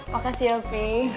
makasih ya op